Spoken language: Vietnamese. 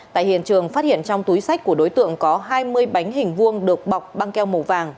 tại hiện trường phát hiện trong túi sách của đối tượng có hai mươi bánh hình vuông được bọc băng keo màu vàng